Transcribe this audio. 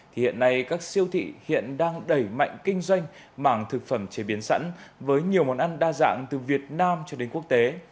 thì hiện nay các siêu thị hiện đang đẩy mạnh kinh doanh mảng thực phẩm chế biến sẵn với nhiều món ăn đa dạng từ việt nam cho đến quốc tế